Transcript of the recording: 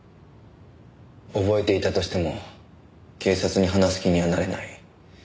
覚えていたとしても警察に話す気にはなれない。